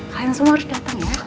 kalian semua harus datang ya